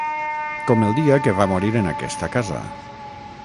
Com el dia que va morir en aquesta casa...